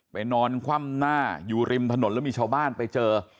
นอนคว่ำหน้าอยู่ริมถนนแล้วมีชาวบ้านไปเจอ